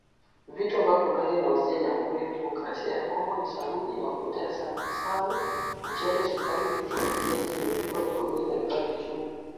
Vitu ambavyo Uganda inaiuzia Jamhuri ya Kidemokrasia ya Kongo ni saruji, mafuta ya mawese, mchele, sukari, petroli, bidhaa zilizopikwa, vipodozi na vifaa vya chuma